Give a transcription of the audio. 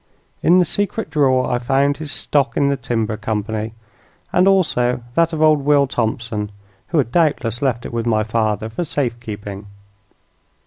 In the secret drawer I found his stock in the timber company, and also that of old Will Thompson, who had doubtless left it with my father for safekeeping.